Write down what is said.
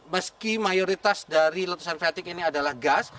meski mayoritas dari letusan freatik ini adalah gas